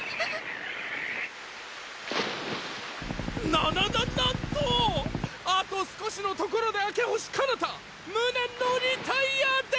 ななななんとあと少しのところで明星かなた無念のリタイアです！